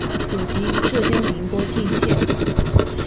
祖籍浙江宁波鄞县。